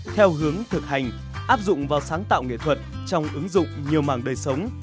theo hướng thực hành áp dụng vào sáng tạo nghệ thuật trong ứng dụng nhiều mảng đời sống